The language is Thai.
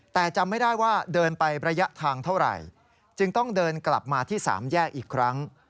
แต่จำไม่ได้ว่าเดินไประยะทางเท่าไหร่จึงต้องเดินกลับมาที่สามแยกอีกครั้ง